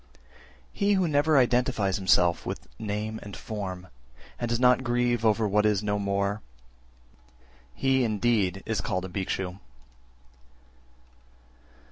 367. He who never identifies himself with name and form, and does not grieve over what is no more, he indeed is called a Bhikshu.